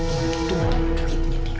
itu duitnya dik